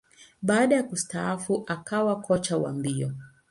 Baada ya kustaafu, akawa kocha wa mbio.